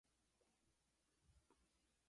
ｄｖｆ